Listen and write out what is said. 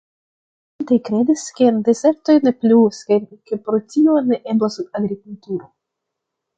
Multaj kredas, ke en dezertoj ne pluvas kaj ke pro tio ne eblas agrikulturo.